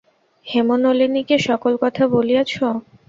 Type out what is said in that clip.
হেমনলিনীকে সকল কথা বলিয়াছ?